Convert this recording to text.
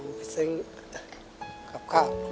อ๋อไม่ซึ้งครับ